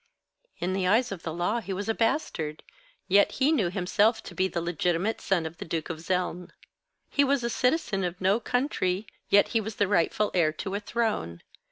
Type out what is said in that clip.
In the eyes of the law he was a bastard, yet he knew himself to be the legitimate son of the Duke of Zeln. He was a citizen of no country, yet he was the rightful heir to a throne.